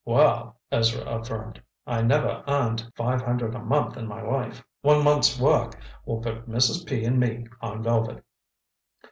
"Well," Ezra affirmed, "I never earned five hundred a month in my life. One month's work will put Mrs. P. and me on velvet."